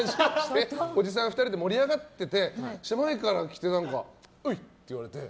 おじさん２人で盛り上がってたらおいって言われて。